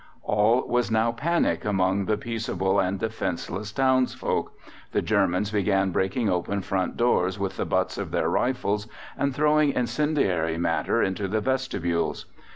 All was now panic among the peaceable and defenseless townsfolk: the Germans began breaking open front doors with the butts of their rifles, and throwing incendiary matter into the vestibules.